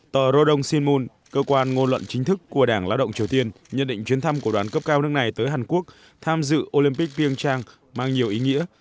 tờ rodong shinmun cơ quan ngôn luận chính thức của đảng lao động triều tiên nhận định chuyến thăm của đoàn cấp cao nước này tới hàn quốc tham dự olympic piêng trang mang nhiều ý nghĩa